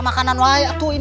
tidak ada pengetahuan